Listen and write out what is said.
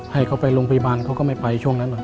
ให้เขาไปโรงพยาบาลเขาก็ไม่ไปช่วงนั้นหรอก